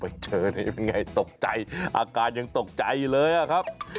ไปเจอนี่เป็นไงตกใจอาการยังตกใจอยู่เลยอะครับ